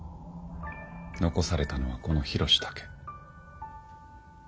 残されたのはこの緋炉詩だけ。